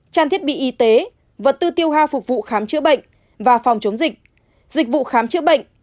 trang thiết bị y tế vật tư tiêu ha phục vụ khám chữa bệnh và phòng chống dịch dịch vụ khám chữa bệnh